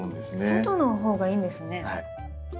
外の方がいいんですね。